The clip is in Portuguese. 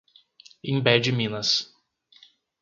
Imbé de Minas